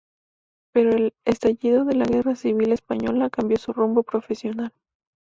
Pero el estallido de la Guerra Civil Española cambió su rumbo profesional.